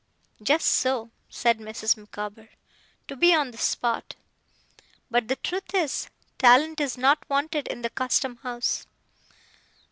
'Just so,' said Mrs. Micawber. 'To be on the spot. But, the truth is, talent is not wanted in the Custom House.